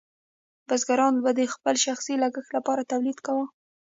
بزګرانو به د خپل شخصي لګښت لپاره تولید کاوه.